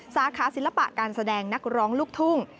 สาขาศิลปะการแสดงนักร้องลูกทุ่ง